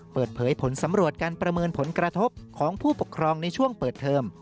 เปิดเผยผลสำรวจการประเมินผลกระทบของผู้ปกครองในช่วงเปิดเทอม